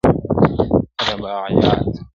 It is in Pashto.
رباعیات -